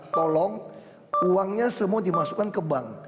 tolong uangnya semua dimasukkan ke bank